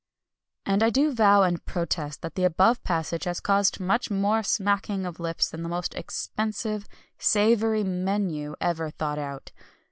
'" And I do vow and protest that the above passage has caused much more smacking of lips than the most expensive, savoury menu ever thought out.